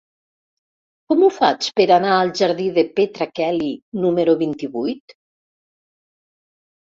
Com ho faig per anar al jardí de Petra Kelly número vint-i-vuit?